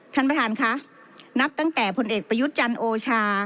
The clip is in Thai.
ท่านประธานค่ะนับตั้งแต่ผลเอกประยุทธ์จันทร์โอชา